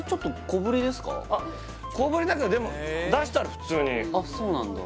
小ぶりだけどでも出したら普通にあっそうなんだ